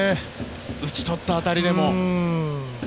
打ち取った当たりでも。